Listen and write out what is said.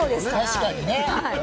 確かにね。